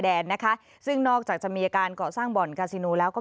แดนนะคะซึ่งนอกจากจะมีอาการเกาะสร้างบ่อนกาซิโนแล้วก็